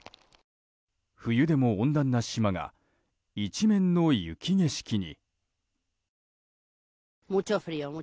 冬でも温暖な島が一面の雪景色に。